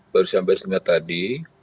baru saya terima tadi